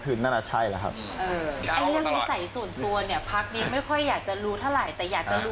หัวใจก็พับเข้าไว้ในกระเพราดด้วยครับ